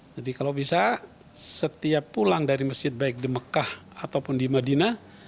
jadi kalau bisa setiap pulang dari masjid baik di mekah ataupun di madinah